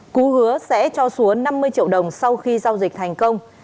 cú hứa sẽ cho xuống năm mươi triệu đồng sau khi giao dịch thành công